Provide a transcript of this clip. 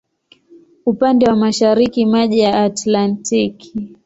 Upande wa mashariki maji ya Atlantiki.